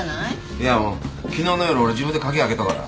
いや昨日の夜俺自分で鍵開けたから。